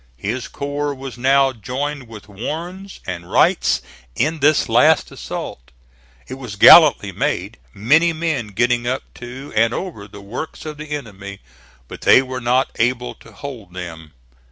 His corps was now joined with Warren's and Wright's in this last assault. It was gallantly made, many men getting up to, and over, the works of the enemy; but they were not able to hold them.